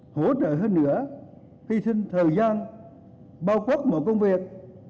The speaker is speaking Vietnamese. hỗ trợ hơn nữa phi sinh thời gian bao quốc mọi công việc